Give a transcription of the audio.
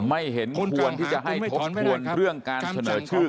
ไม่เห็นควรที่จะให้ทบทวนเรื่องการเสนอชื่อ